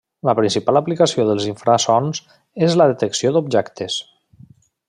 La principal aplicació dels infrasons és la detecció d'objectes.